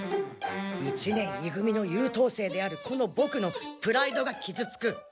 一年い組の優等生であるこのボクのプライドが傷つく。